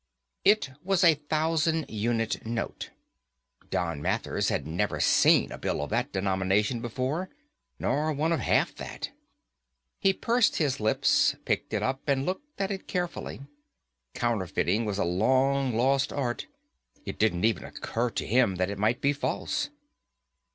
It was a thousand unit note. Don Mathers had never seen a bill of that denomination before, nor one of half that. He pursed his lips, picked it up and looked at it carefully. Counterfeiting was a long lost art. It didn't even occur to him that it might be false.